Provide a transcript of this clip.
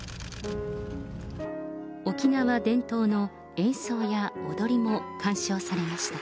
沖縄伝統の演奏や踊りも鑑賞されました。